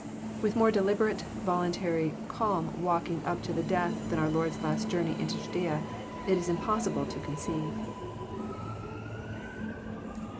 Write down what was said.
A more deliberate, voluntary, calm walking up to death than our Lord's last Journey into Judaea, it is impossible to conceive.